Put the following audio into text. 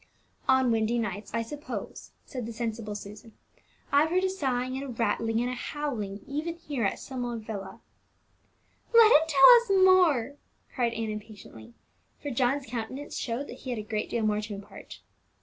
"On windy nights, I suppose," said the sensible Susan. "I've heard a sighing, and a rattling, and a howling even here in Summer Villa." "Let him tell us more!" cried Ann impatiently, for John's countenance showed that he had a great deal more to impart.